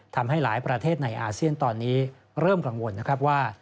ทำให้หลายประเทศในอาเซียนตอนนี้เริ่มกังวลนะครับว่า